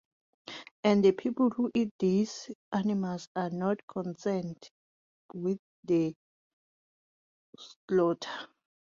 And the people who eat these animals are not concerned with their slaughter.